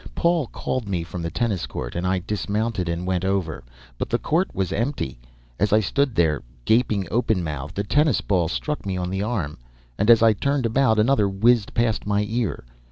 Paul called me from the tennis court, and I dismounted and went over. But the court was empty. As I stood there, gaping open mouthed, a tennis ball struck me on the arm, and as I turned about, another whizzed past my ear.